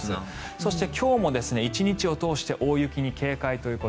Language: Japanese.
そして今日も１日を通して大雪に警戒ということ。